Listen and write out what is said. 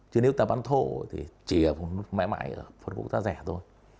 chứ nếu ta bán thô thì chỉ mãi mãi phân phục ta rẻ thôi